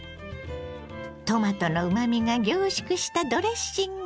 トマトのうまみが凝縮したドレッシング。